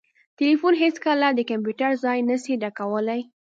ټلیفون هیڅکله د کمپیوټر ځای نسي ډکولای